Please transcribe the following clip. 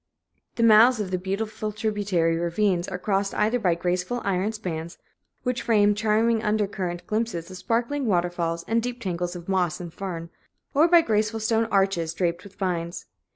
The mouths of the beautiful tributary ravines are crossed either by graceful iron spans, which frame charming undercut glimpses of sparkling waterfalls and deep tangles of moss and fern, or by graceful stone arches draped with vines.